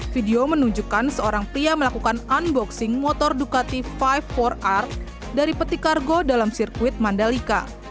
video menunjukkan seorang pria melakukan unboxing motor ducati lima empat r dari peti kargo dalam sirkuit mandalika